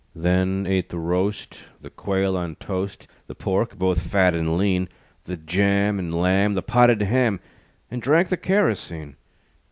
Then ate the roast, The quail on toast, The pork, both fat and lean; The jam and lamb, The potted ham, And drank the kerosene.